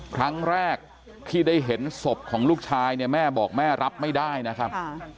ครั้งแรกที่ได้เห็นศพของลูกชายเนี่ยแม่บอกแม่รับไม่ได้นะครับ